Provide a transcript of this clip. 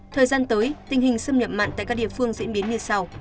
thời gian tới tình hình xâm nhập mặn tại các địa phương diễn biến như sau